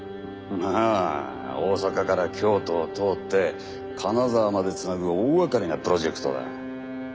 まあ大阪から京都を通って金沢まで繋ぐ大がかりなプロジェクトだ。